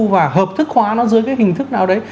và hợp thức hóa nó dưới cái hình thức nào đấy